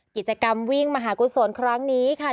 กิจกรรมวิ่งมหากุศลครั้งนี้ค่ะ